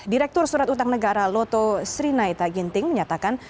direktur surat utang negara loto sri naita ginting menyatakan